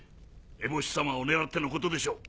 エボシ様を狙ってのことでしょう。